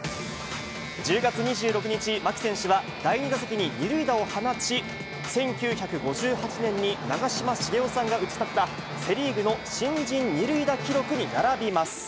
１０月２６日、牧選手は、第２打席に２塁打を放ち、１９５８年に長嶋茂雄さんが打ち立てた、セ・リーグの新人２塁打記録に並びます。